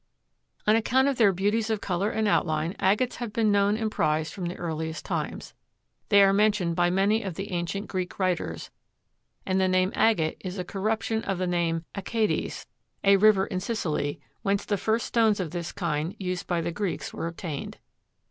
On account of their beauties of color and outline, agates have been known and prized from the earliest times. They are mentioned by many of the ancient Greek writers, and the name agate is a corruption of the name Achates, a river in Sicily, whence the first stones of this kind used by the Greeks were obtained.